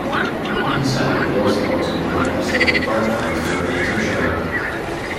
Inside the whale skeleton in the episode, Bart finds the remains of Jonah.